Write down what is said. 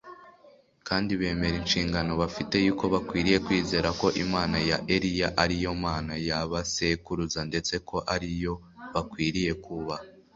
kandi bemera inshingano bafite yuko bakwiriye kwizera ko Imana ya Eliya ari yo Mana ya ba sekuruza ndetse ko ari yo bakwiriye kubaha